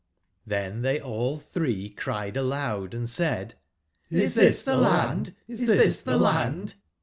RSJS they all three cried aloud and said: ''Is this the Land ? Is this the Land?''